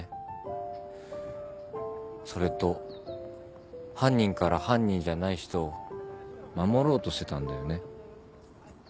それと犯人から犯人じゃない人を守ろうとしてたんだよね。